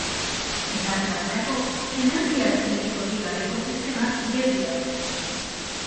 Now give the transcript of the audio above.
Esate baterako, energia zinetikorik gabeko sistemak geldi daude.